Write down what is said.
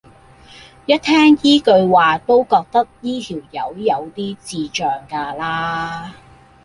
一聽依句話都覺得依條友有啲智障咖啦